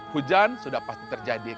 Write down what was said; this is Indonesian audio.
hujan sudah pasti terjadi